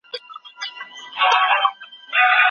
دا ستا بنگړي به څلور فصله زه په کال کې ساتم